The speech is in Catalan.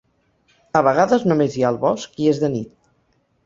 A vegades, només hi ha el bosc i és de nit.